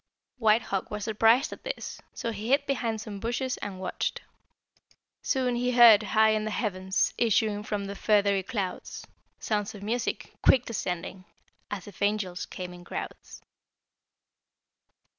White Hawk was surprised at this, so he hid behind some bushes and watched. "'Soon he heard, high in the heavens, Issuing from the feathery clouds, Sounds of music, quick descending, As if angels came in crowds.'